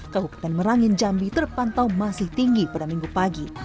kabupaten merangin jambi terpantau masih tinggi pada minggu pagi